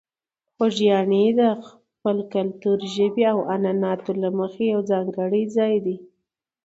خوږیاڼي د خپل کلتور، ژبې او عنعناتو له مخې یو ځانګړی ځای دی.